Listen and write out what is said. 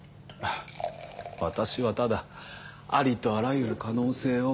あぁ私はただありとあらゆる可能性を。